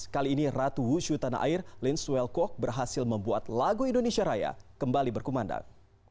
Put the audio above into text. kali ini ratu wushu tanah air lin swel cock berhasil membuat lagu indonesia raya kembali berkumandang